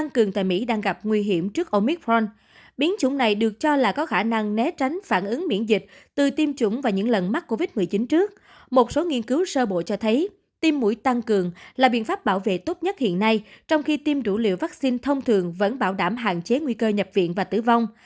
khi tiêm đủ liều vaccine thông thường vẫn bảo đảm hạn chế nguy cơ nhập viện và tử vong